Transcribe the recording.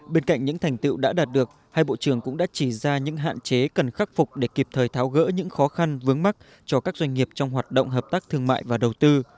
bên cạnh những thành tựu đã đạt được hai bộ trưởng cũng đã chỉ ra những hạn chế cần khắc phục để kịp thời tháo gỡ những khó khăn vướng mắt cho các doanh nghiệp trong hoạt động hợp tác thương mại và đầu tư